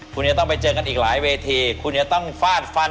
คุณจะต้องไปเจอกันอีกหลายเวทีคุณจะต้องฟาดฟัน